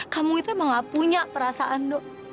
kamu itu emang nggak punya perasaan do